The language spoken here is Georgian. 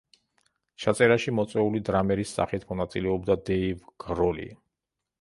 ჩაწერაში მოწვეული დრამერის სახით მონაწილეობდა დეივ გროლი.